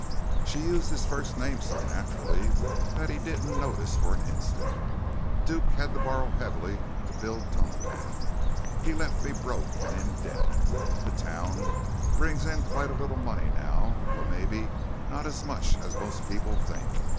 She used his first name so naturally that he didn't notice for an instant. "Duke had to borrow heavily to build Tunneltown. He left me broke and in debt. The town brings in quite a little money now though maybe not as much as most people think.